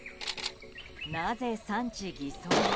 なぜ産地偽装を？